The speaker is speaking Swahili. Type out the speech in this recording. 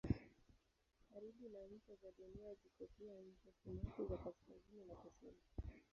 Karibu na ncha za Dunia ziko pia ncha sumaku za kaskazini na kusini.